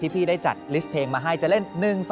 พี่ได้จัดลิสต์เพลงมาให้จะเล่น๑๒